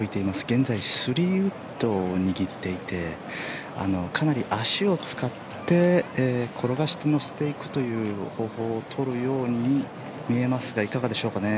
現在、３ウッドを握っていてかなり足を使って転がして乗せていくという方法を取るように見えますがいかがでしょうかね。